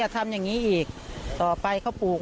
ถ้าอยากกินก็บอก